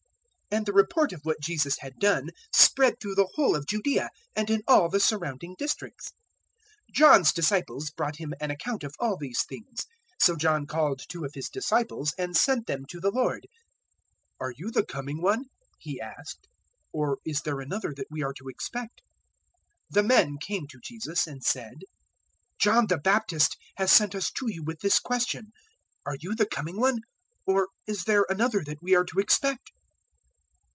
007:017 And the report of what Jesus had done spread through the whole of Judaea and in all the surrounding districts. 007:018 John's disciples brought him an account of all these things; 007:019 so John called two of his disciples and sent them to the Lord. "Are you the Coming One?" he asked, "or is there another that we are to expect?" 007:020 The men came to Jesus and said, "John the Baptist has sent us to you with this question: `Are you the Coming One, or is there another that we are to expect?'"